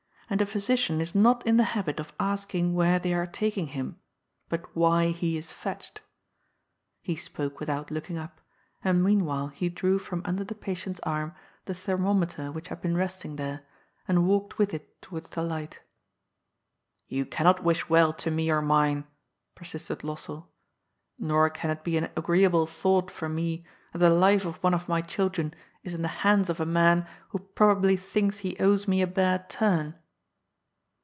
" And a physician is not in the habit of asking where they are taking him, but why he is fetched." He spoke without looking up, and meanwhile he drew from und^r the patient*s 76 GOD'S POOL. . arm the thermometer which had been resting there, and walked with it towards the light " Yoa cannot wish well to me or mine," persisted Lossell, nor can it be an agreeable thought for me that the life of one of my children is in the hands of a man who probably thinks he owes me a bad torn."